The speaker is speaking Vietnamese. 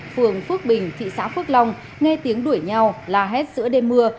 phường phước bình thị xã phước long nghe tiếng đuổi nhau la hét giữa đêm mưa